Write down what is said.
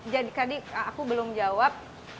jadi tadi aku belum jawab